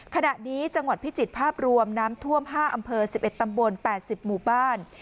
ขณะนี้จังหวัดพิจิตรภาพรวมน้ำท่วมห้าอำเภอสิบเอ็ดตำบลแปดสิบหมู่บ้าน